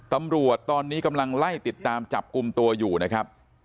ตำรวจตอนนี้กำลังไล่ติดตามจับกลุ่มตัวอยู่นะครับ